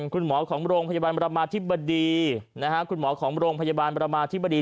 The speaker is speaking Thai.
คุณหมอของโรงพยาบาลประมาธิบดีคุณหมอของโรงพยาบาลประมาธิบดี